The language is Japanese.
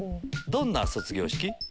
どんな卒業式？